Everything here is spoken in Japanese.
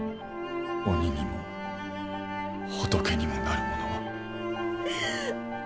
鬼にも仏にもなる者は。